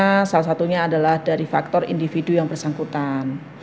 karena salah satunya adalah dari faktor individu yang bersangkutan